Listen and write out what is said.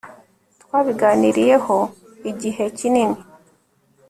twabiganiriyehoigihe kinini